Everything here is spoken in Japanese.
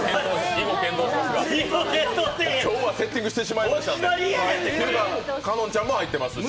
以後検討しますが今日はセッティングしてしまったので香音ちゃんも入ってますし。